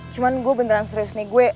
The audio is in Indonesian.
cuma gue beneran serius nih gue